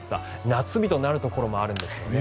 夏日となるところもあるんですよね。